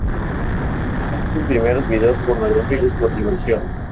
Grabó sus primeros vídeos pornográficos por diversión.